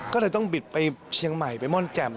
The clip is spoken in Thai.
ก็เลยต้องบิดไปเชียงใหม่ไปม่อนแจ่ม